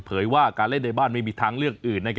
ว่าการเล่นในบ้านไม่มีทางเลือกอื่น